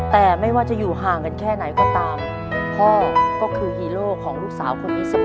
แต่ไม่ว่าจะอยู่ห่างกันแค่ไหนก็ตามพ่อก็คือฮีโร่ของลูกสาวคนนี้เสมอ